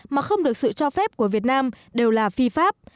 mà không được sự cho phép của việt nam đều là phi pháp